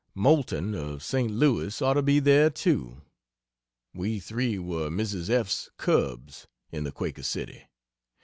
Moulton of St. Louis ought to be there too. We three were Mrs. F's "cubs," in the Quaker City.